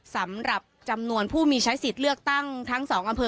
สำหรับจำนวนผู้มีใช้สิทธิ์เลือกตั้งทั้ง๒อำเภอ